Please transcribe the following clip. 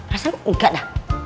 rasanya enggak dah